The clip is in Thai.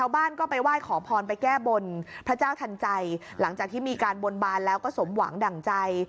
บนบานแล้วก็สมหวังดั่งใจ